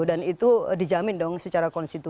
dan itu dijamin dong secara konstitusi